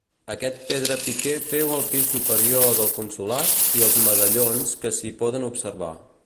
Aquest pedrapiquer féu el pis superior del Consolat i els medallons que s'hi poden observar.